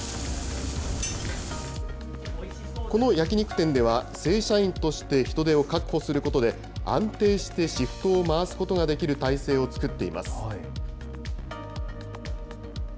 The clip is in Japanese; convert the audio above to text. この焼き肉店では、正社員として人手を確保することで、安定してシフトを回すことができる態勢を作っています。